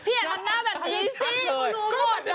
พี่เห็นหน้าแบบนี้สิ